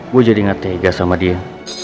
gue jadi ngefans sama dia